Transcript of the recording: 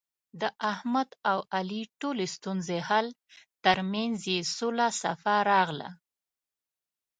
د احمد او علي ټولې ستونزې حل، ترمنځ یې سوله صفا راغله.